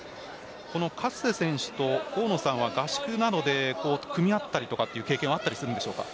カッセ選手と大野さんは合宿などで組み合ったりとかという経験はあるんでしょうか？